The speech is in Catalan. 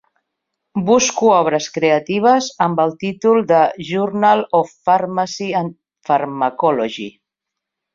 Busco obres creatives amb el títol de "Journal of Pharmacy and Pharmacology".